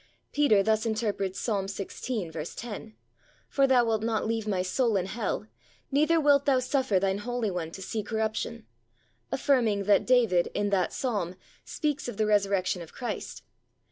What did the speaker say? Peter thus interprets Psalm xvi. 10, "For thou wilt not leave my soul in hell; neither wilt thou suffer thine Holy One to see corruption," affirming that David in that Psalm speaks of the Resurrection of Christ.